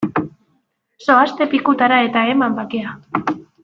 Zoazte pikutara eta eman bakea!